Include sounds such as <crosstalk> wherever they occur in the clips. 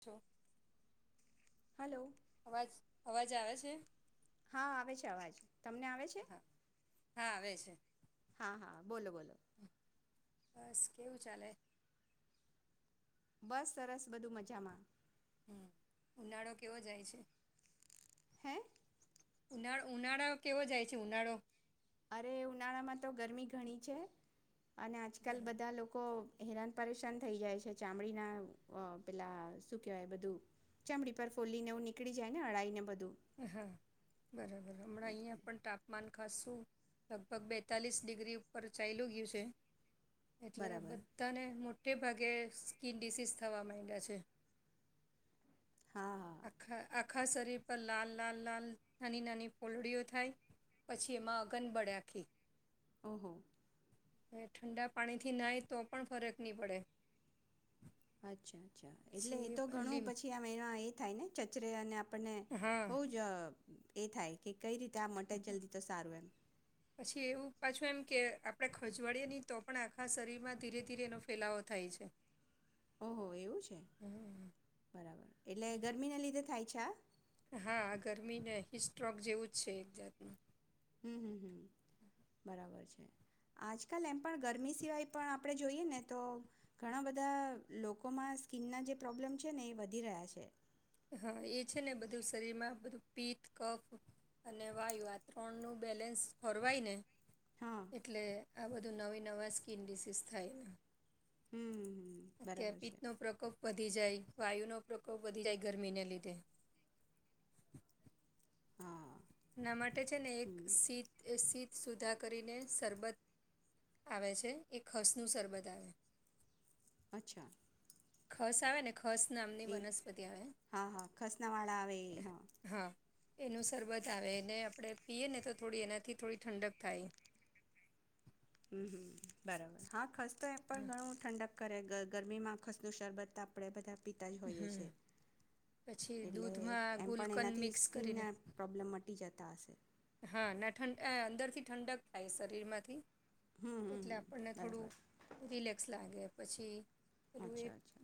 છો હલો અવાજ અવાજ આવે છે. હા આવે છે અવાજ તમને આવે છે? હા <inaudible> હા હા બોલો બોલો બસ કેવું ચાલે? બસ સરસ બધું મજામાં હમ્મ ઉનાળો કેવો જાય છે. હે ઉનાળો ઉનાળો કેવો જાય છે ઉનાળો અરે એ ઉનાળા માં તો ગરમી ઘણી છે. અને આજકાલ બરોબર બધા લોકો હેરાન પરેશાન થઈ જાય છે ચામડીના અહ પેલા શું કેહેવાય બધું ચામડી પર ફોલ્લી એવું નીકળી જાય ને અળાઈ ને બધ હા બરાબર હમણાં અહીંયા એટલે પણ તાપમાન ખસું લગભગ બેતાલીસ ડિગ્રી ઉપર ચાલયુ ગયું છે. એટલે બરાબર બધાને મોટ મોટે ભાગે સ્કીિન ડિસીઝ થવા માંડ્યા છે. હા. હા આખા શરીર પર લાલ લાલ લાલ નાની નાની ફોલડીઓ થાય, પછી એમાં અગન બળે આખી ઓહો. હ ઠંડા પાણી થી નાય તો પણ ફરક નહી પડે. અચ્છા, અચ્છા, એટલે એ તો પછી ઘણું લીમ પછી આમ એના એ થાય ને અને આપ આપણે બહુ હા જ એ થાય કે કઈ રીતે આ મટે જલ્દી તો સારું એમ. પછી એવું પાછું એમ કે આપણે ખજવાડીએની, તો પણ આખા શરીરમાં ધીરે ધીરે એનો ફેલાવો થાય છે. ઓહો એવું છે હમ. બરાબર એટલે ગરમી ના લીધે થાય છે આ હા ગરમીને હિસ્ટ્રોક જેવું જ છે એક જાતનું હમ્મ, હમ્મ, હમ્મ, બરાબર છે. આજકાલ એમ પણ ગરમી સિવાય પણ આપણે જોઈએ ને તો ઘણા બધા લોકોમાં સ્કીનના જે પ્રોબ્લેમ છે ને એ વધી રહ્યા છે. હા એ છે ને બધું શરીરમાં બધું પિત્ત કફ અને વાયુ આ ત્રણ નું બેલેન્સ ફરવાય ને હા એટલે આ બધું નવી નવા સ્કીન ડિસીઝ થાયને હમ હમ અત્યાં બરાબર પિત્ત છે નો પ્રકોપ વધી જાય. વાયુ નો પ્રકોપ વધી જાય. ગરમીને લીધે. હા ના માટે છે ને એક હમ સીત સીત સુધા કરીને સરબત આવે છે એ ખસનું સરબત આવે અચ્છા. ખસ આવે ને ખસ નામની એ વનસ્પતિ આવે હા હા ખસનાવાળા આવે એ હા એનું સરબત આવે એને આપણે પીએ ને તો થોડી એનાથી થોડી ઠંડક થાય. હમ્મ હમ્મ, બરાબર હા ખસ તો એ પણ ઘણું ઠંડક કરે ગ ગરમીમાં આ ખસતનું શરબત આપણે બધા પિતાજ હોઈએ હમ છે પછી એટલે દૂધમાં એમ પણ ગુલકંદ એનાથી મિક્સ સ્કીિન કરીને ના પ્રોબ્લેમ મટી જા આશે. હા ના ઠંડ અંદર થી ઠંડક થાય શરીરમાંથી. હમ હમ એટલે હમ આપણને બરાબર થોડું રિલેક્સ લાગે પછી અચ્છા અચ્છા.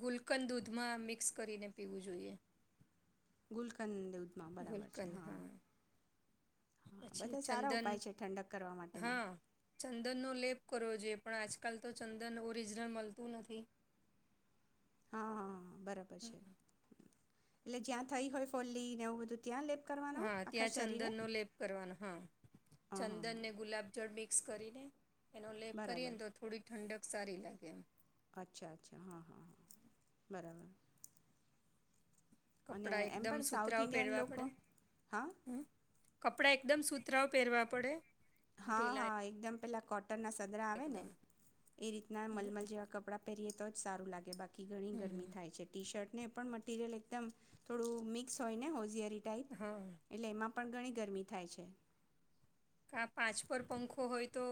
ગુલકન દૂધમાં મિક્સ કરીને પીવું જોઈએ. ગુલકંદવ. બરાબર છે હા. હા પછી બધા સારા ચંદન ઉપાય છે ઠંડક કરવા માટેના હા ચંદનનો લેપ. કરવો જોઈએ પણ આજકાલ તો ચંદન ઓરિજનલ મળતું નથી. હા હા. બરાબર હ છે. એટલે જ્યાં થઈ હોય ફોલીને એવું બધું. ત્યાં લેપ કરવાનો હા આખા ત્યાં શરીરે ચંદન નો લેપ કરવાનો હા હા હા ચંદન હા ને ગુલાબ જળ બી મિક્સ કરીને. એનો લેખ બરાબર કરીને તો થોડી ઠંડક. સારી લાગે એમ. અચ્છા અચ્છા હા હા હા બરાબર. અને કપડા એમ એકદમ પણ સાઉથ સુતરાવ ઇન્ડિયન પહેરવા લોકો પડે હા હમ. કપડાં એકદમ સુતરાઓ પહેરવા પડે. હા ઢીલા હા એકદમ પેલા. ટ ના સદરા આવે ને એકદમ એ રીતના મલમલ જેવા કપડાં પહેરીએ. તો જ સારું લાગે બાકી. ઘણી ગરમી હમ થાય છે ટી શર્ટ. ને પણ મટિરિયલ એકદમ થોડું મિક્સ હોય ને હોઝિયારી. ટ હા એટલે એમાં. પણ ઘણી ગરમી થાય છે. કા પાંચ પર પંખો હોય તો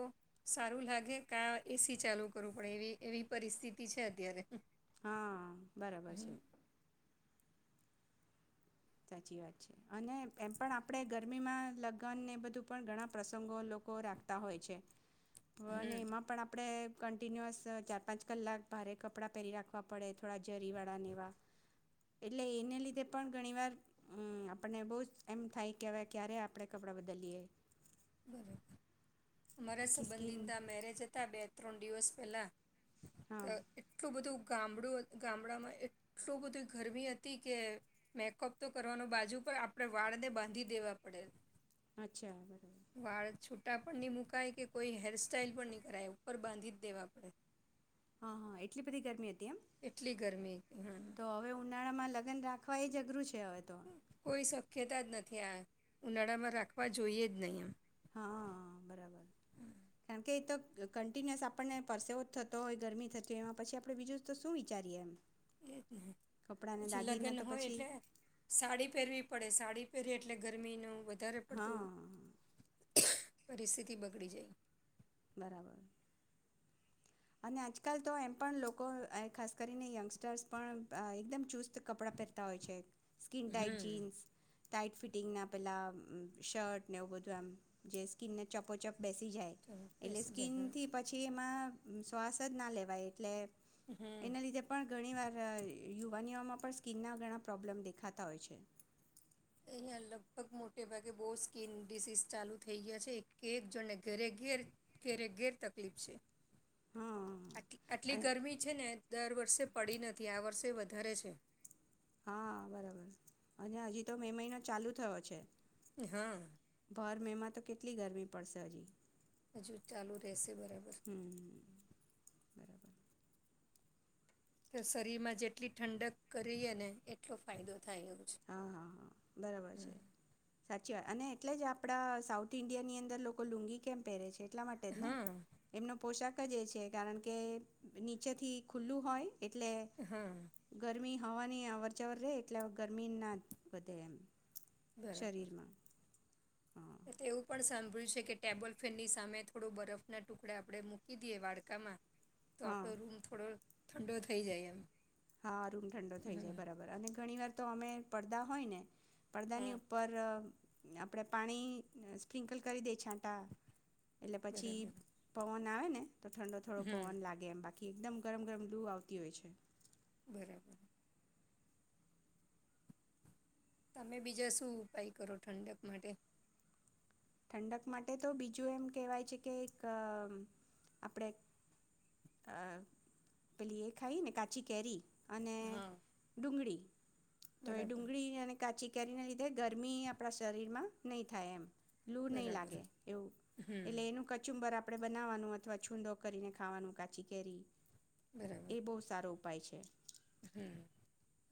સારું લાગે કા એસી ચાલુ કરવું પડે એવી એવી પરિસ્થિતિ છે અત્યારે. હા બરાબર છે. હમ સાચી વાત છે અને એમ પણ આપણે ગરમીમાં લગ્ન ને બધું પણ ઘણા પ્રસંગો લોકો રાખતા હોય છે. હ ને એમાં પણ આપડે. કન્ટિન્યુઅસ ચાર પાંચ કલાક ભારે કપડાં પહેરી રાખવા પડે થોડા જરીવાળાનેવા એટલે એને લીધે પણ ઘણીવાર. હમ આપને બહુ જ એમ થાય કે હવે ક્યારે આપડણે કપડા બદલીએ. બરોબર. અમારા આખી સ્કીન સંબંધીંદા મેરેજ હતા બે. ત્રણ દિવસ પહેલાં. તો હા એટલું બધું. ગામડું ગામડામાં એટલું બધું ગરમી હતી કે મેકઅપ તો કરવાનો બાજુ પણ આપણે વાળને બાંધી દેવા પડેલ. અચ્છા બરાબર. છુટાપણ ન મુકાય કે કોઈ હેરસ્ટાઈલ પણ નહીં કરાય ઉપર બાંધી જ દેવા પડે. હા હા એટલી બધી ગરમી હ એમ એટલી ગરમી હમ તો હવે ઉનાળામાં લગ્ન રાખવા એ જ અઘરું છ કોઈ શક શક્યતા જ નથી આ ઉનાળામાં રાખવા જોઈએ જ નહીં આ હા બરાબર કેમકે એતો કન્ટિન્યુઅસ આપણને પરસેવો થતો હોય ગરમી થતી હોય એમાં પછી આપડે બીજું તો શું વિચારીએ એમ એ જ કપડાંને પછી લગ્ન દાગીના તો હોય પછી એટલે સાડી પહેરવી પડે સાડી રયે એટલે ગરમીનું વધારે હા પડતું પરિસ્થિતિ બગડી જાય બરાબર અને આજકાલ તો એમ પણ લોકો ખાસ કરીને યંગસ્ટર્સ પણ એકદમ ચૂઝ કપડા પહેરતા હોય છે સ્કીન ટાઈટ હમ જીન્સ ટાઈટ ફિટિંગના પેલા શર્ટ ને એવું બધુ આમ જે સ્કીનને ચપોચપ બેસી જાય તો એટલે બેસી જાય સ્કીનથી પછી એમાં શ્વાસ જ ના લેવાય એટલે હમ હમ એના લીધે પણ ઘણી વાર યુવાનીઓમાં પર સ્કીનના ઘણા પ્રોબ્લેમ દેખાતા હોય છે. અહીયાં લગભગ મોટે ભાગે બહુ સ્કીન ડિસીઝ ચાલુ થઈ ગયા છે કે એક જોણને ઘરે ઘ ઘેરે ઘેર તકલીફ છે હા આટી આટલી અને ગરમી છે ને દર વર્ષે પડી નથી આ વર્ષે વધારે છે. હા બરાબર અને હજી તો મે મહિનો ચાલુ થયો છે. હા ભર મેમાં તો કેટલી ગરમી પડશે હજી હજુ ચાલુ રહેશે બરાબર હમ બરાબર તો શરીરમાં જેટલી ઠંડક કરીએ ને એટલો ફાયદો થ થાય એવું છે હા હા હમ અચી વા અને એટલે જ આપડા સાઉથ ઈન્ડિયા ની અંદર લોકો લુંગી કેમ પહેરે છે એટલા માટે જ ને હા એમનો પોશાક જ એ છે કારણ કે નીચેથી ખુલ્લું હોય એટલે હા ગરમી હવાની આવર જાવર રહે એટલા ગર્મી ના વધે એમ શરીરમાં હા તે એવું પણ સાંભળ્યું છે કે ટેબલ ફેનની સામે થોડું બરફના ટુકડા આપણે મૂકી દઈએ વાડકામાં તો હા આપડો રૂમ થોડો ઠંડો થઈ જાય એમ. હા રૂમ ઠંડો થઈ હમ જાય બરાબર, અને ઘણીવાર તો અમે પળદા હોયને પળદાની હા ઉપર આપડે પાણી સ્પ્રિન્કલ કરી દે છે. તા એટલે પછી બરાબર પવન આવે ને તો ઠંડો થોડો હમ પવન લાગે એમ બાકી કે એકદમ ગરમ ગરમ દૂ આવતી હોય છે. બરાબર, તમે બીજા શું ઉપાય કરો, ઠંડક માટે ઠંડક માટે તો બીજું એમ કેહેવાય છે, કે અ આપણેે અ પેલી એ ખાઈ ને કાચી કેરી. અને હા ડુંગળી, તો એ બરાબર ડુંગળી ઇયાનેક કાચી કેરીને લીધે ગરમી આપણા શરીરમાં નહી થાય એમ. લુ નહી બરાબર લાગે એવું હમ એટલે એનું કચુંબર આપણે બનાવાનું હતું આ છૂંદો કરીને ખાવાનું કાચી કેરી. એ બો સારુ પાય છે. હમ્મ,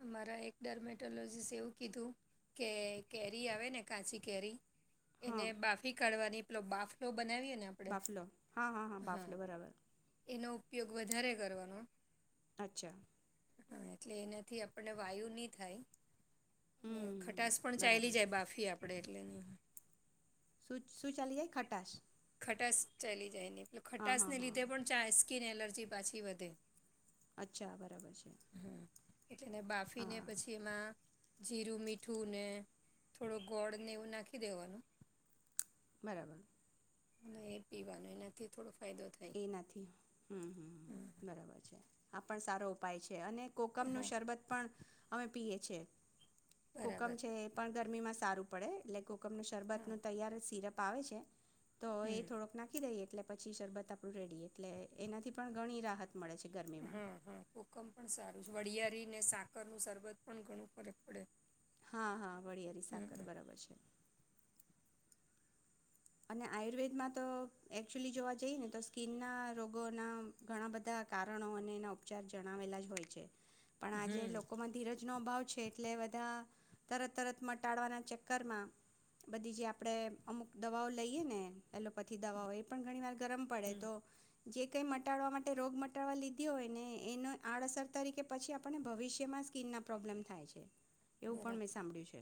અમારા એકડલર્મેટોલોજીસે એવું કીધું કે કેરી આવે ને કાચી કેરી એને હા બાફી કાઢવાની. એનો બાફલો બનાવીએ ને આપણે બાફલો હ હ હ હા બાફલો બરાબર. એનો ઉપયોગ વધારે કરવાનો. નચા હ, એટલે એનાથી આપણને વાયુ ની થાય. હમ ખટાસ પણ બરાબર ચાયલી જાય, બાફી આપડે એટલે એને શું શું ચાલ્યે ખટાશ. ખટાશ ચાલી જાયને. એટલે હા હા ખટાશને હા લીધે પણ ચાય સ્કીન એલજ પછી પાછી વધે. અચ્છા બરાબર છે. હમ એટલે એને હા બાફીને પછી એમાં જીરું, મીઠું ને થોડું ગોળ ને એવું નાખી દેવાનું. બરાબર. એ પીવાનું એનાથી થોડુ એ નથી હમ્મ, હમ્મ, બરાબર છે. પણ સારો ઉપાય છે. અને કોકમનો હા શરબત પણ અમે પીએ. છે. કુકમ બરાબર છે એ પણ ગરમી માં સારું. પડે એટલે કોકમને શરબતનો હા તૈયારે સિરપ ફાવે છે? તો એ હમ થોડોક નાખી દઈએ. એટલે પછી શરબત આપ આપું રેડી એટલે એનાથી પણ ઘણી રાહત મળે છે ગરમીમાં હમ્મ હમ્મ કોકમ પણ સારું છે. વળિયારી ને સાકરનું સરબત પણ ઘણું ફરક પડે. હા હા વળિયારી હમ સાકર હમ બરાબર છે. અને આયુર્વેદમાં તો એકક્ચુલી જોવા જઈને તો સ્કીનના રોગોના ઘણા બધા કારણો અને એના ઉપચાર જણાવેલા જ હોય છે. પણ આજે હમ લોકો માં ધીરજ નો અભાવ છે એટલે બધા તરત તરત મટાડવાના ચક્કરમાં બધી જે આપણે અમુક દવાઓ લઈએ ને એલોપેથી દવાઓ એ પણ ઘણી વાર ગરમ પડે હમ તો જે કંઈ મટાડવા માટે રોગ મટાડવા લીધી હોયને એને આડઅસર તરીકે પછી આપણને ભવિષ્યમાં સ્કીનના પ્રોબ્લેમ થાય છે. એવું પણ મેં બરાબર સાંભળ્યું છે.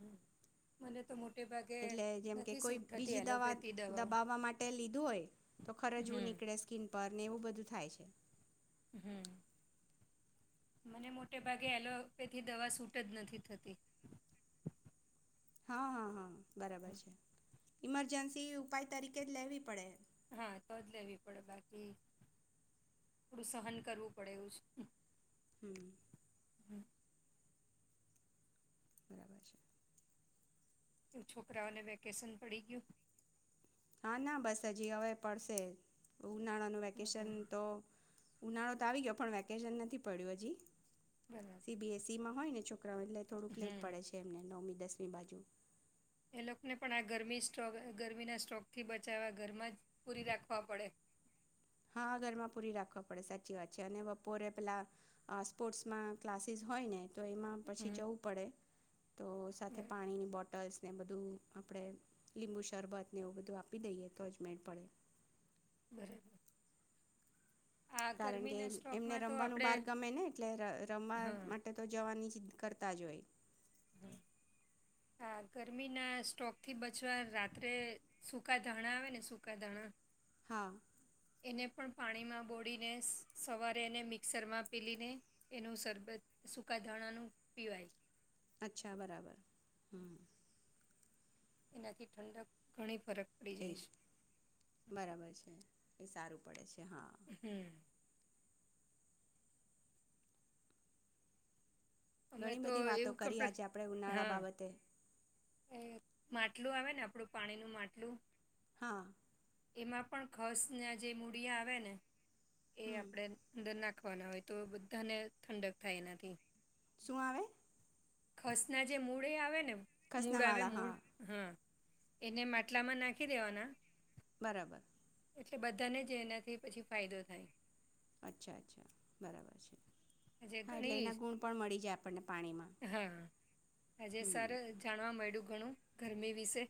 હમ મને તો મોટે ભાગે એટલે જેમ કે નથી કોઈ સૂટ થતી બીજી દવા એલોપેથી દવાઓ દબાવવા માટે લીધું હોય તો ખરજવું હમ નીકળે સ્કીન પર ને એવું બધું. થાય છે. હમ્મ મને મોટે ભાગે એલોપેથી દવા સૂટ જ નથી થતી. હા-હા-હા. બરાબર હમ. છે. ઇમરજન્સી ઉપાય તરીકે જ લેવી પડે. હા તો જ લેવી પડે બાકી થોડું સહન કરવું પડે એવું છે. હમ્મ. હમ્મ બરાબર છે. એ છોકરાઓને વેકેશન પડી ગયું? હા ના બસ હજી હવે પડશે. ઉનાળાનું વેકેશન બરાબર તો ઉનાળો તો આવી ગયો પણ વેકેશન નથી પડ્યું હજી. બરાબર. સી બી એસ સીમાં હોય ને જો એટલે થોડુંક લેટ હમ પડે એમને નોમ દસમી બાજુ એ લોકોને પણ આ ગરમી સ્ટ્રોક ગરમીના સ્ટ્રોકથી બચાવવા ઘરમાં જ પૂરી રાખવા પડે હા ઘરમાં પૂરી રાખવા પડે સાચી વાત છે અને બપોરે પેલા સ્પોર્ટ્સમાં ક્લાસીસ હોય ને તો એમાં હમ પછી જવું પડે તો સાથે પાણીની બોટલ્સ ને બધું આપણે લીંબુ શરબતને એવું બધું આપી દઈએ તો જ મેડ પડે બર કારણ કે એમને સ્ટ્રોકમાં તો રમવાનું આપણે બહાર ગમે ને એટલે રમવા હા માટે તો જવાની જ કરતા જ હોય હા ગરમીના સ્ટોક થી બચવા રાત્રે સૂકા ધાણા આવે ને સૂકા ધાણા હા એને પણ પાણીમાં બોળીને સવારે એને મિક્સરમાં પીલીને એનું સરરબત સૂકા ધાણાનું પીવાય અચ્છા બરાબર એનાથી ઠંડક ઘણી ફરક પડી એ જાય છે બરાબર છે સારું પડે છે હા હુ અમે ઘણી તો બધી વાતો એવું કરી કપડ આજે આપણે ઉનાળા હા બાબતે એ માટલું આવે ને, આપડું પાણીનું માટલું હા એમાં પણ ખસના જે મૂળિયા આવે ને એ હમ આપડે અંદરના વાના હોય તો બધાને ઠંડક થાય એનાથી શું આવે ખસના જે મૂળ આવે ને મૂળ આવે ખસનાવાળા મૂળ હા હુ એને માટલામાં નાખી દેવાના બરાબર એટલે બધાને જ એનાથી પછી ફાયદો થાય અચ્છા અચ્છા બરાબર છે આજ હા એટલે ધણી એના ગુણ પણ મળી જાય આપણને પાણીમાં હા આજે હમ સારું જાણવા મળ્યું ઘણું ગરમી વિશે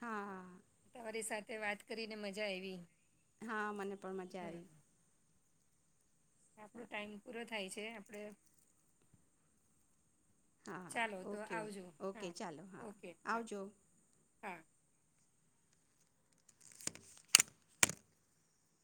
હા હા તે વાત કરીને મજા આવી હા મને પણ મજા આવી આપડો સારું. ટાઈમ પૂરો થાય છે જે આપડે હા ઓકે ઓ ઓકે હા ચાલો હા આવજો હમ્મ.